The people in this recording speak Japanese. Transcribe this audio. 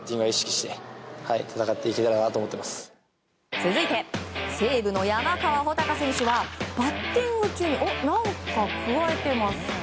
続いて西武の山川穂高選手はバッティング中に何かくわえています。